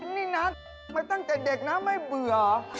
นี่นะมาตั้งแต่เด็กนะไม่เบื่อ